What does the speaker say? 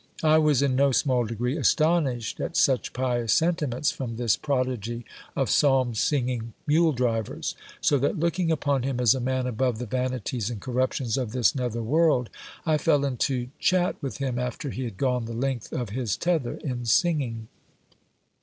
I was in no small degree astonished at such pious sentiments from this prodigy of psalm singing mule drivers ; so that looking upon him as a man above the vanities and corruptions oft lis nether world, I fell into chat with him after he had gone the length of his tether in singing.